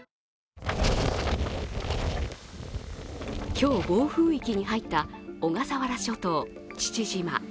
今日暴風域に入った小笠原諸島・父島。